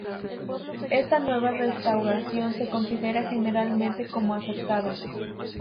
Esta nueva restauración se considera generalmente como acertada.